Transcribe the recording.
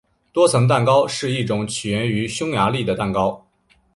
多层蛋糕是一种起源于匈牙利的蛋糕。